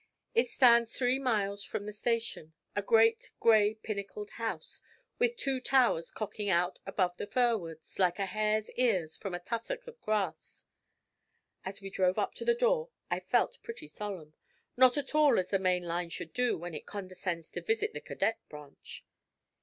It stands three miles from the station, a great gray pinnacled house, with two towers cocking out above the fir woods, like a hare's ears from a tussock of grass. As we drove up to the door I felt pretty solemn not at all as the main line should do when it condescends to visit the cadet branch.